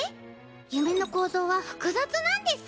夢の構造は複雑なんです。